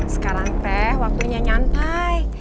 sekarang teh waktunya nyantai